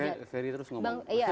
jadi ferry terus ngomong